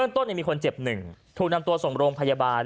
ทนเจ็บหนึ่งถูกนำตัวสมโรงพยาบาล